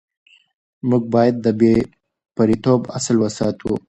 موږ باید د بې پرېتوب اصل وساتو.